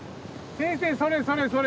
先生それそれそれ。